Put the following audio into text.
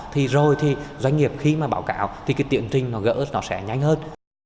thì rồi thì doanh nghiệp khi mà báo cáo thì cái tiện trình nó gỡ nó sẽ nhanh hơn